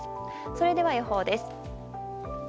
それでは予報です。